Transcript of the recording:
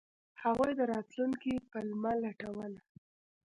هغوی د راتلونکي پلمه لټوله.